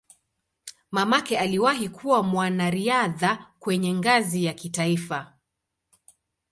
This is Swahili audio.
Mamake aliwahi kuwa mwanariadha kwenye ngazi ya kitaifa.